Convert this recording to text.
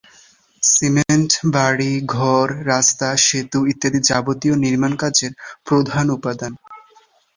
Cement বাড়ী-ঘর, রাস্তা, সেতু ইত্যাদি যাবতীয় নির্মাণ কাজের প্রধান উপাদান।